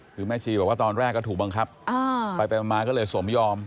คือแม่ชีบอกว่าตอนแรกก็ถูกบังคับไปมาก็เลยสมยอม